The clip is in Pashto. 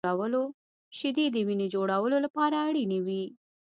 • شیدې د وینې جوړولو لپاره اړینې وي.